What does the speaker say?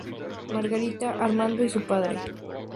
Margarita, Armando y su padre